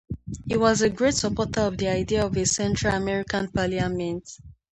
He was a great supporter of the idea of a Central American Parliament.